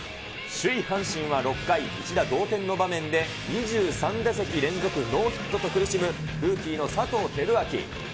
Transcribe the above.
首位阪神は６回、一打同点の場面で２３打席連続ノーヒットと苦しむ、ルーキーの佐藤輝明。